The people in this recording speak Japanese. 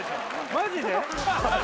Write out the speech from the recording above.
マジで？